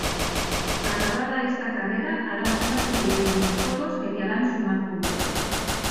Acabada esta carrera harás una serie de minijuegos que te harán sumar puntos.